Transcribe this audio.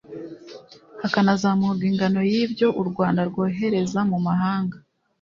hakanazamurwa ingano y’ibyo u Rwanda rwohereza mu mahanga